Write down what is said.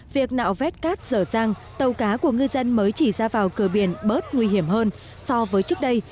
việc nạo vét cát dở dàng tàu cá của ngư dân mới chỉ ra vào cửa biển bớt nguy hiểm hơn so với trước đây